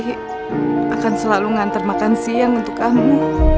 dan aku sama putri akan selalu ngantar makan siang untuk kamu